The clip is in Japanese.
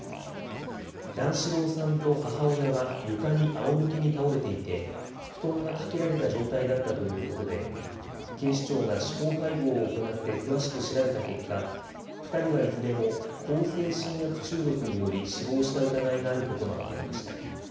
段四郎さんと母親は床にあおむけに倒れていて、布団がかけられた状態だったということで、警視庁が司法解剖を行って詳しく調べた結果、２人はいずれも向精神薬中毒により死亡した疑いがあることが分かりました。